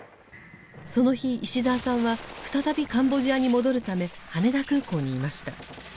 その日石澤さんは再びカンボジアに戻るため羽田空港にいました。